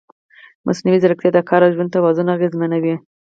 مصنوعي ځیرکتیا د کار او ژوند توازن اغېزمنوي.